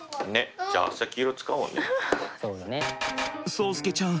蒼介ちゃん